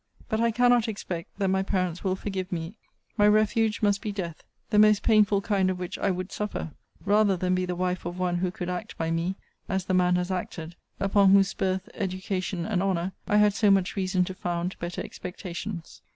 But I cannot expect that my parents will forgive me: my refuge must be death; the most painful kind of which I would suffer, rather than be the wife of one who could act by me, as the man has acted, upon whose birth, education, and honour, I had so much reason to found better expectations.